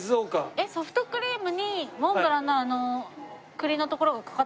えっソフトクリームにモンブランの栗のところがかかってるって事ですか？